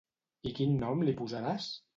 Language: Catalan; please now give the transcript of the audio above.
I quin nom li posaràs?